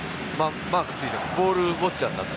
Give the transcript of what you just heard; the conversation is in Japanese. マークについてボールウォッチャーになって。